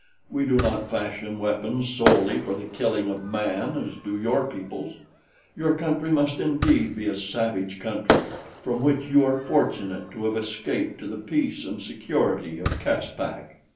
We do not fashion weapons solely for the killing of man as do your peoples. Your country must indeed be a savage country, from which you are fortunate to have escaped to the peace and security of Caspak."